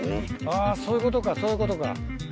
あぁそういうことかそういうことか。